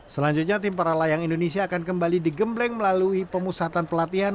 selanjutnya tim para layang indonesia akan kembali digembleng melalui pemusatan pelatihan